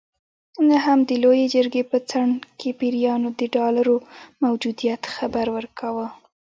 نه هم د لویې جرګې په څنډه کې پیریانو د ډالرو موجودیت خبر ورکاوه.